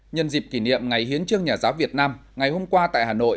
nhân dịp kỷ niệm ngày hiến trương nhà giáo việt nam ngày hôm qua tại hà nội